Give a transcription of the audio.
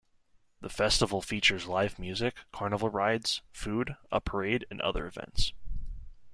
The festival features live music, carnival rides, food, a parade, and other events.